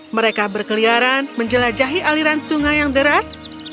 mereka berkeliaran menjelajahi aliran sungai yang deras